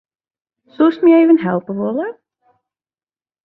Soest my even helpe wolle?